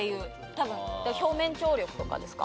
多分表面張力とかですか？